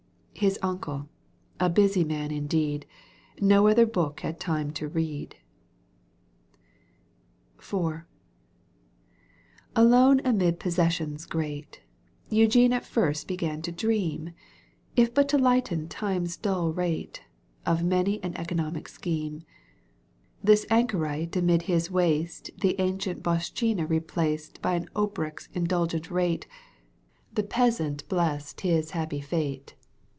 . His uncle, busy man indeed, N"o other book had time to read. IV. Alone amid possessions great, ^Eugene at first began to dream, Л{ but to lighten Time's dull rate, ,^Of many an economic scheme ; This anchorite amid his waste The ancient bitrshtchina replaced ■ By an* obrbKs indulgent rate :^^ The peasant blessed his happy fate.